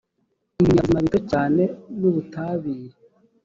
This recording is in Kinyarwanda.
ibinyabuzima bito cyane n’ubutabire